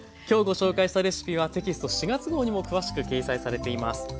きょうご紹介したレシピはテキスト４月号にも詳しく掲載されています。